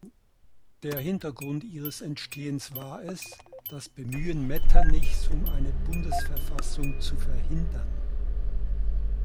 Der Hintergrund ihres Entstehens war es, das Bemühen Metternichs um eine Bundesverfassung zu verhindern.